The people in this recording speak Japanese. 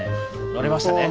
乗れましたね？